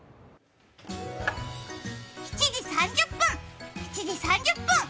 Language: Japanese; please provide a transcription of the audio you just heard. ７時３０分、７時３０分。